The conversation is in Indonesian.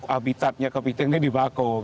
habitatnya kepiting ini di bako